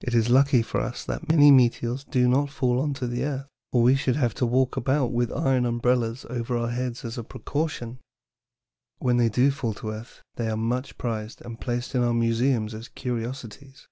It is lucky for us that many meteors do not fall on the earth, or we should have to walk about with iron umbrellas over our heads as a protection. When they do fall on earth, they are much prized and placed in our museums as curiosities.